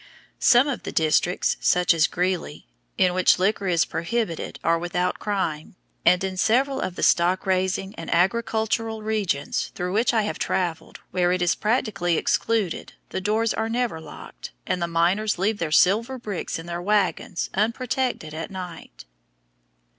Some of the districts, such as Greeley, in which liquor is prohibited, are without crime, and in several of the stock raising and agricultural regions through which I have traveled where it is practically excluded the doors are never locked, and the miners leave their silver bricks in their wagons unprotected at night.